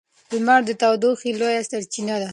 لمر د تودوخې لویه سرچینه ده.